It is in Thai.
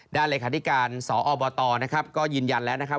การระธานคณะเราก็ยืนยันแล้วนะครับ